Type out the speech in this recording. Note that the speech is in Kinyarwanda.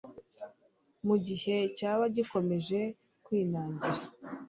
mu gihe cyaba gikomeje kwinangira.